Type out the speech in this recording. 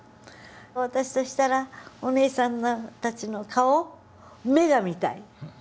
私としたらおねえさんたちの顔目が見たい。